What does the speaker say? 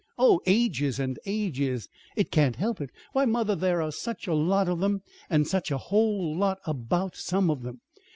"Oh, ages and ages! It can't help it. Why, mother, there are such a lot of them, and such a whole lot about some of them.